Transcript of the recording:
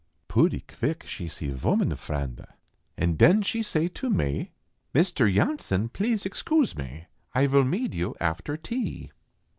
Pooty quvick she see vooinan frande En den she say to mae ;" Mister Yohnsen please excoose mae, Ay vill meed yo after tea."